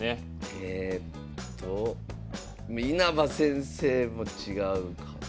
えっと稲葉先生も違うかな。